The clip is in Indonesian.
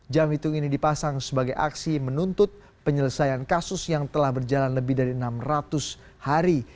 jam hitung ini dipasang sebagai aksi menuntut penyelesaian kasus yang telah berjalan lebih dari enam ratus hari